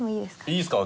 いいですか？